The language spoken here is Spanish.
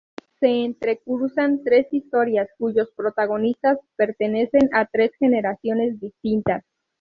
Se entrecruzan tres historias, cuyos protagonistas pertenecen a tres generaciones distintas.